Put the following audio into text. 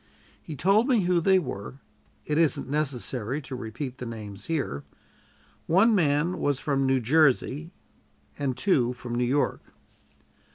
He told me who they were; it isn't necessary to repeat the names here. One man was from New Jersey and two from New York.